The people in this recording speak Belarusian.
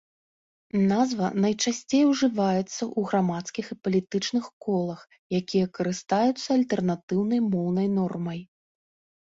Назва найчасцей ужываецца ў грамадскіх і палітычных колах, якія карыстаюцца альтэрнатыўнай моўнай нормай.